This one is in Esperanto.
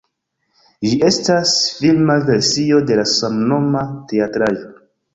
Ĝi estas filma versio de la samnoma teatraĵo.